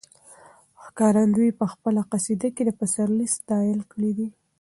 ښکارندوی په خپله قصیده کې د پسرلي ستایل کړي دي.